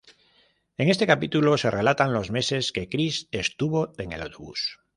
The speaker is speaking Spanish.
En este capítulo se relatan los meses que Chris estuvo en el autobús.